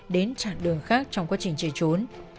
đến trạng đường khác trong quá trình chạy trốn